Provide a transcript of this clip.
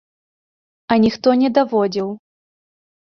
А ніхто не даводзіў.